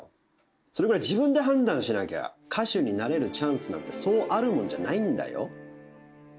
それぐらい自分で判断しなきゃ歌手になれるチャンスなんてそうあるもんじゃないんだよ？